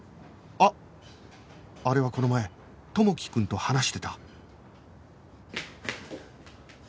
あっあれはこの前知樹くんと話してた